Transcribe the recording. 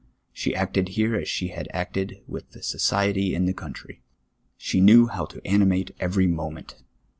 She acted here as she had acted with the society in the country. She knew how to ani mate every moment.